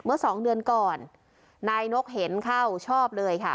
สองเดือนก่อนนายนกเห็นเข้าชอบเลยค่ะ